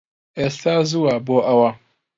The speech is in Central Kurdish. ئێستا زووە بۆ ئەوە